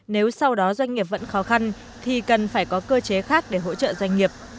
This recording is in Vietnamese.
nếu sau đó doanh nghiệp vẫn khó khăn thì cần phải có cơ chế khác để hỗ trợ doanh nghiệp